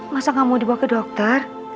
masa kamu dibawa ke dokter